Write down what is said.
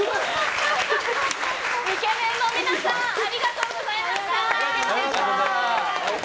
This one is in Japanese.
イケメンの皆さんありがとうございました。